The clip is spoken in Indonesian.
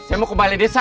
aku mau kembali ke desa